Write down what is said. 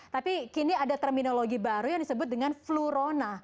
tapi kini ada terminologi baru yang disebut dengan flu rona